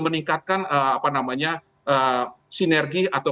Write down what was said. meningkatkan stabilitas ekonomi indonesia menjadi epicenter of growth